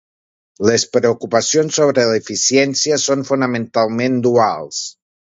Les preocupacions sobre l'eficiència són fonamentalment duals.